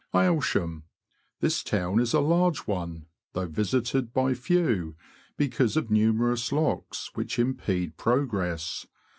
Aylsham. — This town is a large one, though visited by few, because of numerous locks, which impede progress.